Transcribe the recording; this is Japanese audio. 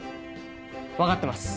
分かってます。